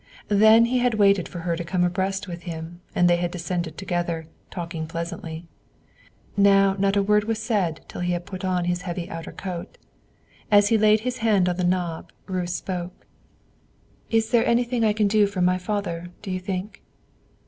Then he had waited for her to come abreast with him, and they had descended together, talking pleasantly. Now not a word was said till he had put on his heavy outer coat. As he laid his hand on the knob, Ruth spoke, "Is there anything I can do for my father, do you think?"